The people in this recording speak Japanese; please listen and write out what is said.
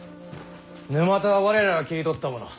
沼田は我らが切り取ったもの。